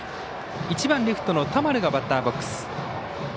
１番レフトの田丸がバッターボックス。